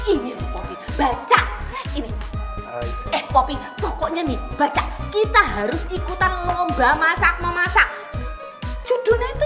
ini baca ini eh popi pokoknya nih baca kita harus ikutan umba masak memasak judulnya itu